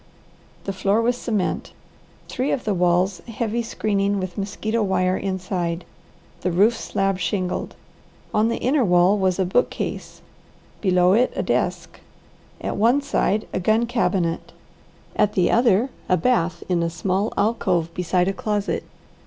The floor was cement, three of the walls heavy screening with mosquito wire inside, the roof slab shingled. On the inner wall was a bookcase, below it a desk, at one side a gun cabinet, at the other a bath in a small alcove beside a closet.